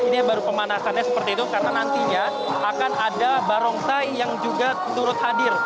ini baru pemanasannya seperti itu karena nantinya akan ada barongsai yang juga turut hadir